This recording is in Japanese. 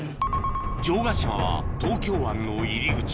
城ヶ島は東京湾の入り口